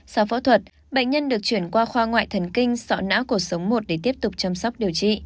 sau phẫu thuật bệnh nhân được chuyển qua khoa ngoại thần kinh sọ não cuộc sống một để tiếp tục chăm sóc điều trị